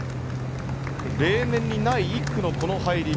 例年にない１区の入り。